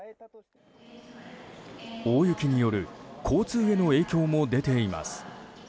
大雪による交通への影響も出ています。